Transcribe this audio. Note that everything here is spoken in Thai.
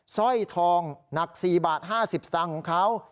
สร้อยทองหนัก๔บาท๕๐สตางค์ของเขา